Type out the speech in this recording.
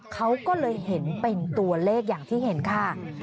เขาก็เลยเห็นเป็นตัวเลขอย่างที่เห็นค่ะ